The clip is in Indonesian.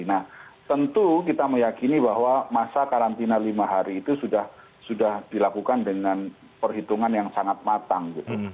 nah tentu kita meyakini bahwa masa karantina lima hari itu sudah dilakukan dengan perhitungan yang sangat matang gitu